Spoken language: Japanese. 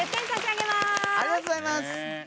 ありがとうございます！